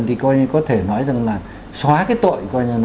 thì có thể nói rằng là xóa cái tội